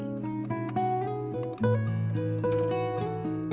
masa masa hidup mandiri